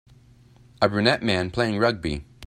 A brunette man playing rugby.